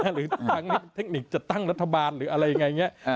หรือทั้งนี้เทคนิคจะตั้งรัฐบาลหรืออะไรอย่างเงี้ยอ่า